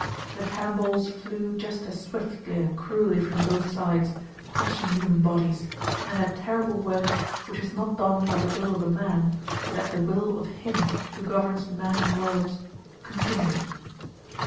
The cannon balls flew just as swiftly and cruelly from both sides, crushing human bodies, and that terrible work which was not done by the will of a man but at the will of Him who governs men and worlds continued.